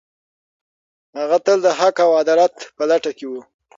هغه تل د حق او عدالت په لټه کې و.